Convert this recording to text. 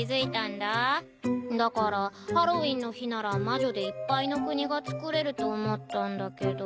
だからハロウィーンの日なら魔女でいっぱいの国がつくれると思ったんだけど。